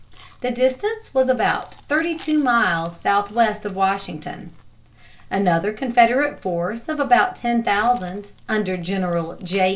The distance was about thirty two miles southwest of Washington. Another Confederate force of about ten thousand, under General J.